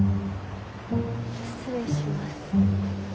失礼します。